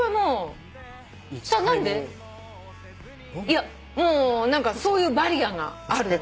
いやもう何かそういうバリアーがあるの。